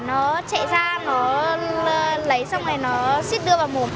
nó chạy ra nó lấy xong rồi nó xích đưa vào mồm